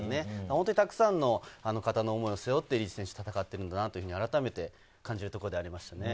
本当に、たくさんの方の思いを背負ってリーチ選手が戦ってるんだなと改めて感じるところではありました。